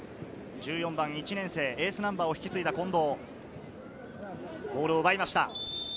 １４番・１年生、エースナンバーを引き継いだ近藤、ボールを奪いました。